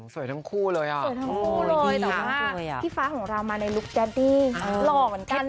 สวยทั้งคู่เลยแต่ว่าพี่ฟ้าของเรามาในลูกแจ๊ดดี้หล่อเหมือนกันนะ